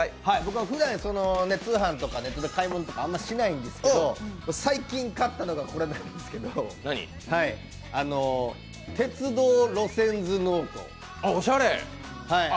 ふだん通販とかで買い物とかあんましないんですけど最近買ったのがこれなんですけど鉄道路線図ノート。